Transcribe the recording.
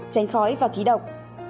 tránh khói và khí độc